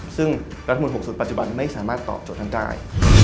ซึ่งรัฐมนต๖๐ปัจจุบันไม่สามารถตอบโจทย์นั้นได้